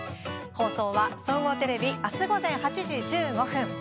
放送は総合テレビあす午前８時１５分。